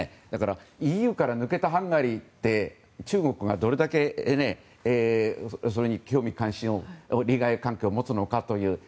ＥＵから抜けたハンガリーって中国がどれだけそれに興味関心利害関係を持つのかという。